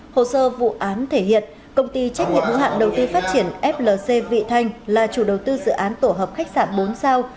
hồ sơ vụ án thể hiện công ty trách nhiệm hữu hạn đầu tư phát triển flc vị thanh là chủ đầu tư dự án tổ hợp khách sạn bốn sao